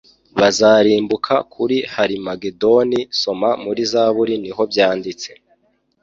bazarimbuka kuri Harimagedoni Soma muri Zaburi niho byanditse